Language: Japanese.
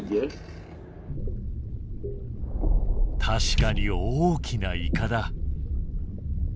確かに大きなイカだ。